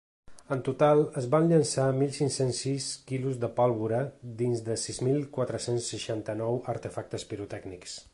En total, es van llençar mil cinc-cents sis quilos de pólvora dins de sis mil quatre-cents seixanta-nou artefactes pirotècnics.